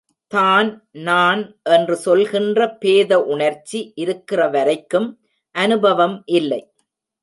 தான், நான் என்று சொல்கின்ற பேத உணர்ச்சி இருக்கிற வரைக்கும் அநுபவம் இல்லை.